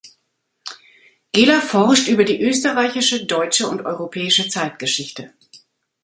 Gehler forscht über die österreichische, deutsche und europäische Zeitgeschichte.